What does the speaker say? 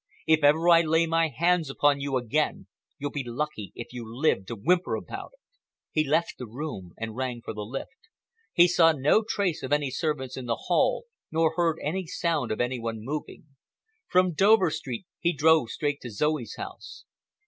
If ever I lay my hands upon you again, you'll be lucky if you live to whimper about it." He left the room and rang for the lift. He saw no trace of any servants in the hall, nor heard any sound of any one moving. From Dover Street he drove straight to Zoe's house.